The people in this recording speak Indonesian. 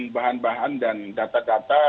bahan bahan dan data data